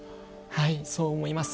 そう思います。